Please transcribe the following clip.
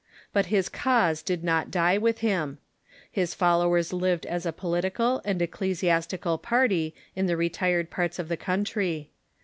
But his cause did not die Avith him. His follow ers lived as a political and ecclesiastical party in the retired parts of the country.